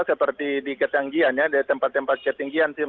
seperti di ketinggian ya di tempat tempat ketinggian